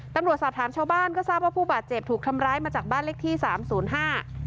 ตำรวจสอบถามชาวบ้านก็ทราบว่าผู้บาดเจ็บถูกทำร้ายมาจากบ้านเลขที่สามศูนย์ห้า